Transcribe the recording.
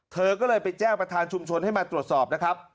เธอก็เลยไปแจ้งประธานชุมชนให้มาตรวจสอบนะครับ